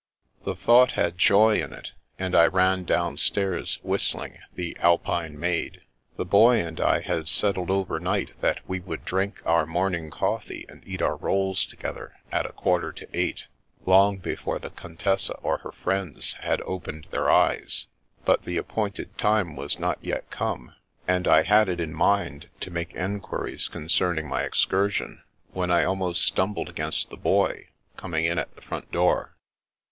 The thought had joy in it, and I ran downstairs, whistling the "Alpine Maid." The Boy and I had settled overnight that we would drink our morning coffee and eat our rolls together, at a quarter to eight, long before the Contessa or her friends had opened Rank Tyranny 217 their eyes; but the appointed time was not yet come, and I had it in mind to make enquiries con cerning my excursion, when I almost stumbled against the Boy, coming in at the front door.